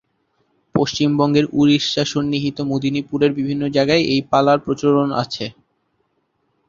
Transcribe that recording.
পশ্চিমবঙ্গের উড়িষ্যা-সন্নিহিত মেদিনীপুরের বিভিন্ন জায়গায় এই পালার প্রচলন আছে।